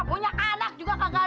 punya anak juga gak ada yang bantuin